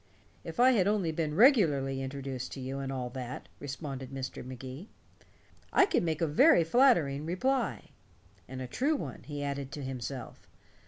"If I had only been regularly introduced to you, and all that," responded Mr. Magee, "I could make a very flattering reply." And a true one, he added to himself.